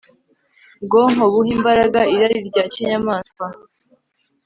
bwonko buha imbaraga irari rya kinyamaswa